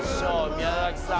宮崎さん